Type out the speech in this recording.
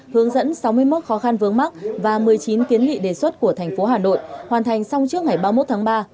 hướng dẫn sáu mươi một khó khăn vướng mắt và một mươi chín kiến nghị đề xuất của thành phố hà nội hoàn thành xong trước ngày ba mươi một tháng ba